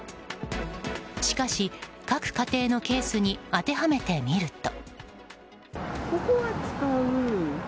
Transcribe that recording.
しかし、各家庭のケースに当てはめてみると。